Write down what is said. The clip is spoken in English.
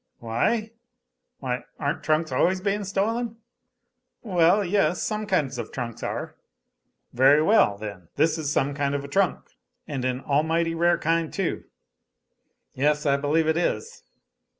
Why, aren't trunks always being stolen?" "Well, yes some kinds of trunks are." "Very well, then; this is some kind of a trunk and an almighty rare kind, too." "Yes, I believe it is."